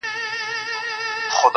زموږ څه ژوند واخله.